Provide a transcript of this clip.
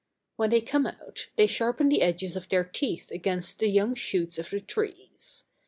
When they come out, they sharpen the edges of their teeth against the young shoots of the trees.